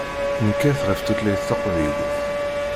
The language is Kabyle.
Nekkat ɣef tutlayt taqbaylit.